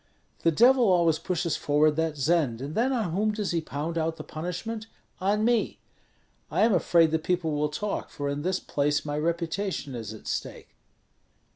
The Devil always pushes forward that Zend, and then on whom does he pound out the punishment? On me. I am afraid that people will talk, for in this place my reputation is at stake."